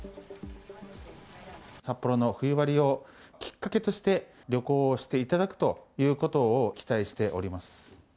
札幌の冬割をきっかけとして旅行をしていただくということを期待しております。